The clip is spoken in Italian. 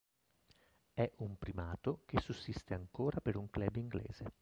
È un primato che sussiste ancora per un club inglese.